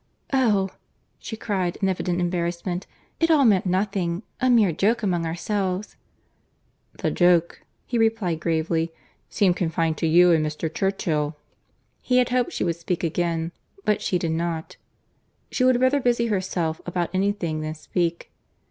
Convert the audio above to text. "Oh!" she cried in evident embarrassment, "it all meant nothing; a mere joke among ourselves." "The joke," he replied gravely, "seemed confined to you and Mr. Churchill." He had hoped she would speak again, but she did not. She would rather busy herself about any thing than speak.